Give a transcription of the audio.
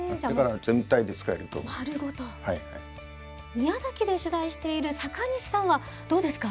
宮崎で取材している坂西さんはどうですか？